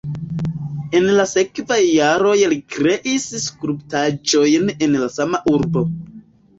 En la sekvaj jaroj li kreis skulptaĵojn en la sama urbo.